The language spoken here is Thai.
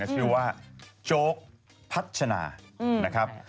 ชื่อว่าโจ๊กพัชนานะครับ